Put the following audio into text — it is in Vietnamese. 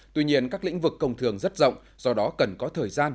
tuy nhiên các lĩnh vực công thường rất rộng do đó cần có thời gian